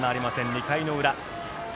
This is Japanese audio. ２回の裏。